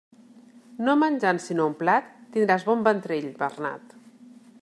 No menjant sinó un plat, tindràs bon ventrell, Bernat.